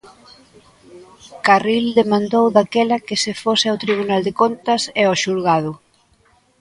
Carril demandou daquela que se fose ao Tribunal de Contas e ao xulgado.